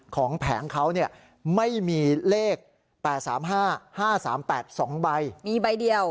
ของแผงเขาไม่มีเลข๘๓๕๕๓๘๒ใบ